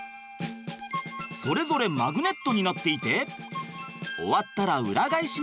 それぞれマグネットになっていて終わったら裏返します。